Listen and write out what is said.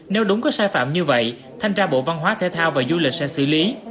nếu đúng có sai phạm như vậy thanh tra bộ văn hóa thể thao và du lịch sẽ xử lý